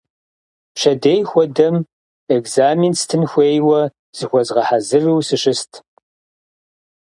Пщэдей хуэдэм экзамен стын хуейуэ, зыхуэзгъэхьэзыру сыщыст.